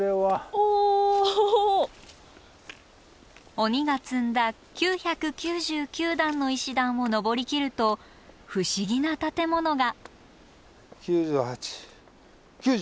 鬼が積んだ９９９段の石段を登りきると不思議な建物が。